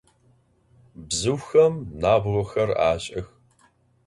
Bzıuxem nabğoxer aş'ıx.